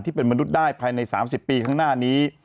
เป็นมนุษย์ได้ภายใน๓๐ปีข้างหน้านี้